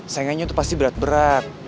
saingannya itu pasti berat berat